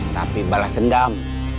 tapi balas dendam